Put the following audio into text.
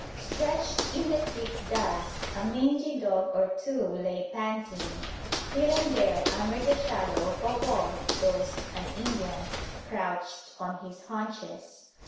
Stretched in the thick dust a mangy dog or two lay panting; here and there under the shadow of a wall dozed an Indian, crouched on his haunches.